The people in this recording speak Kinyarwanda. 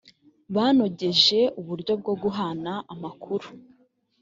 banogeje uburyo bwo guhana amakuru